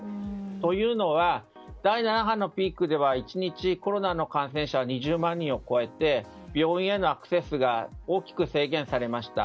というのは、第７波のピークでは１日のコロナの感染者が２０万人を超えて病院へのアクセスが大きく制限されました。